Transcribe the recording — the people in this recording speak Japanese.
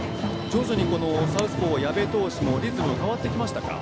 徐々にサウスポー、矢部投手のリズムが変わってきましたか。